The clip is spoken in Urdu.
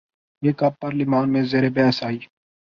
یہ کب پارلیمان میں زیر بحث آئی؟